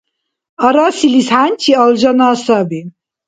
Арасилис хӀянчи алжана саби.